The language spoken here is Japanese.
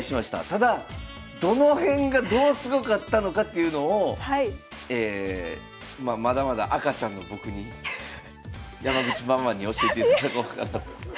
ただどの辺がどうすごかったのかっていうのをまだまだ赤ちゃんの僕に山口ママに教えていただこうかなと。